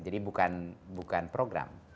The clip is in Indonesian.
jadi bukan program